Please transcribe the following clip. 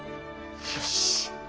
よし。